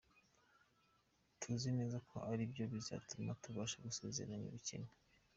Tuzi neza ko ari byo bizatuma tubasha gusezerera ubukene.